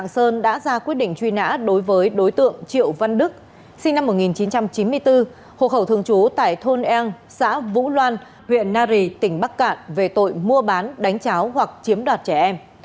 sinh năm một nghìn chín trăm chín mươi bốn hộ khẩu thường chú tại thôn an xã vũ loan huyện na rì tỉnh bắc cạn về tội mua bán đánh cháo hoặc chiếm đoạt trẻ em